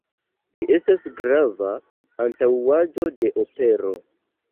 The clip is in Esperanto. Ĝi estas grava antaŭaĵo de opero.